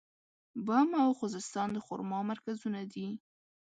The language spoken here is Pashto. بم او خوزستان د خرما مرکزونه دي.